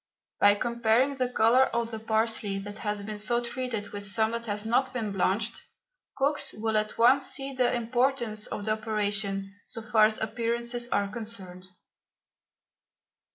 By comparing the colour of the parsley that has been so treated with some that has not been blanched, cooks will at once see the importance of the operation so far as appearances are concerned.